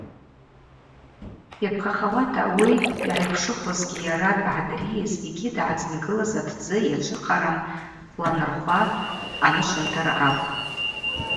Йапхъахауата ауи йгӏайпшыхвызгьи йара дъагӏадрийыз йгьи дъагӏадзынгылыз атдзы йачвыхъарам Квланырхва анышвынтара акӏвпӏ.